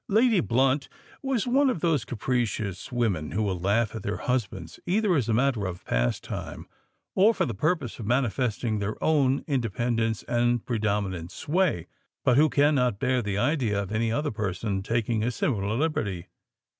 Lady Blunt was one of those capricious women who will laugh at their husbands either as a matter of pastime or for the purpose of manifesting their own independence and predominant sway, but who cannot bear the idea of any other person taking a similar liberty.